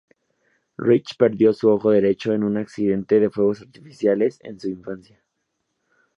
Rich perdió su ojo derecho en un accidente de fuegos artificiales en su infancia.